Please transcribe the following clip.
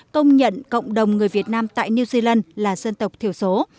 công nhận cộng đồng người việt nam tại new zealand là dân tộc thiểu số